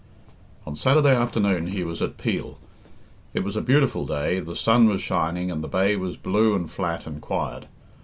On Saturday afternoon he was at Peel. It was a beautiful day; the sun was shining, and the bay was blue and flat and quiet.